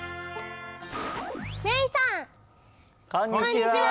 こんにちは。